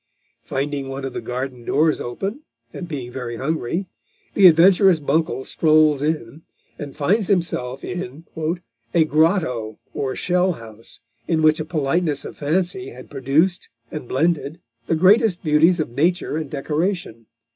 Finding one of the garden doors open, and being very hungry, the adventurous Buncle strolls in, and finds himself in "a grotto or shell house, in which a politeness of fancy had produced and blended the greatest beauties of nature and decoration."